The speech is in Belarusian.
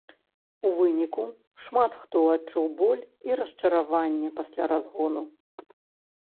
У выніку, шмат хто адчуў боль і расчараванне пасля разгону.